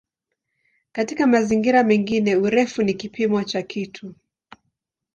Katika mazingira mengine "urefu" ni kipimo cha kitu.